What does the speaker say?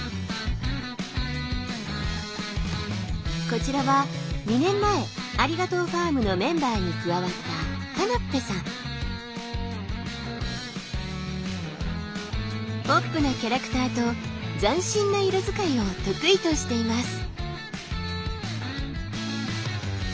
こちらは２年前ありがとうファームのメンバーに加わったポップなキャラクターと斬新な色使いを得意としています。